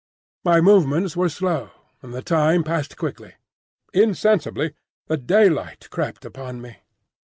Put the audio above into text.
My movements were slow, and the time passed quickly. Insensibly the daylight crept upon me.